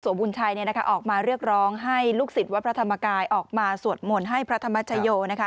บุญชัยออกมาเรียกร้องให้ลูกศิษย์วัดพระธรรมกายออกมาสวดมนต์ให้พระธรรมชโยนะคะ